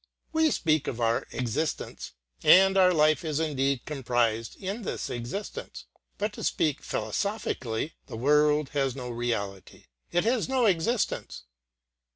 We speak of our existence, and our life is indeed comprised in this existence, but to speak philosophically the world has no reality, it has no existence.